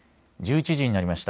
１１時になりました。